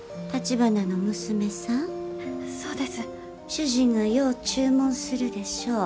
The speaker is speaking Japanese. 主人がよう注文するでしょう。